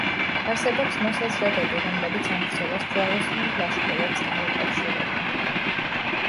არსებობს მოსაზრებები, რომლებიც ამ ბრძოლას ჯვაროსნულ ლაშქრობებს არ უკავშირებენ.